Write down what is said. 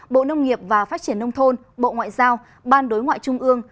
bộ nông nghiệp và phát triển nông thôn bộ ngoại giao ban đối ngoại trung ương